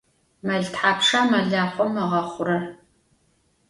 Mel thapşşa melaxhom ığexhurer?